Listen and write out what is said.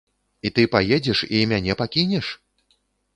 І ты паедзеш і мяне пакінеш?